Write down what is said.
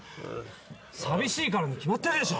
寂しいからに決まってるでしょ。